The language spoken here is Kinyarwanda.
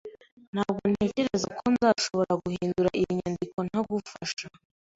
Ntabwo ntekereza ko nzashobora guhindura iyi nyandiko ntagufasha.